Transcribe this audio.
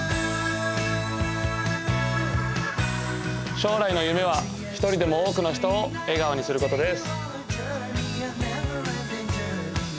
将来の夢は１人でも多くの人を笑顔にすることです。